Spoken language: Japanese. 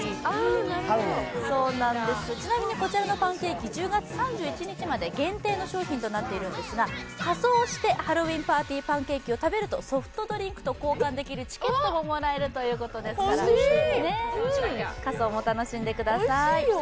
ちなみにこちらのパンケーキ１０月３１日まで限定の商品となっているんですが仮装してハロウィンパーティーパンケーキを食べるとソフトドリンクと交換できるチケットがもらえるということですから、仮装も楽しんでください。